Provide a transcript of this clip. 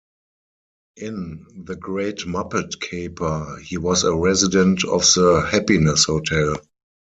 In "The Great Muppet Caper", he was a resident of the Happiness Hotel.